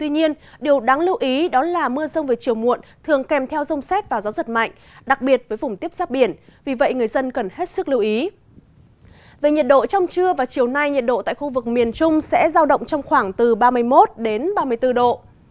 về nhiệt độ trong trưa và chiều nay nhiệt độ tại khu vực miền trung sẽ giao động trong khoảng từ ba mươi một đến ba mươi bốn độ